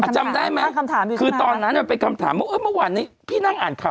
จำได้ไหมคือตอนนั้นมันเป็นคำถามว่าเมื่อวานนี้พี่นั่งอ่านข่าว